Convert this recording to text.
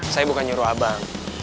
saya bukan nyuruh abang